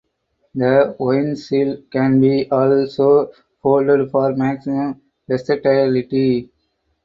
The windshield can be also folded for maximum versatility.